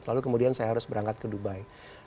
lalu kemudian saya harus berangkat ke dubai